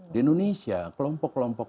di indonesia kelompok kelompok